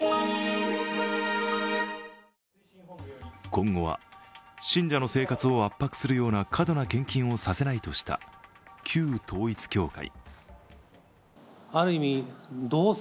今後は信者の生活を圧迫するような過度な献金はさせないとした旧統一教会。